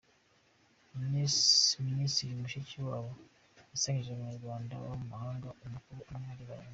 Minisitiri Mushikiwabo yasangije abanyarwanda baba mu mahanga amakuru amwe arebana n’u Rwanda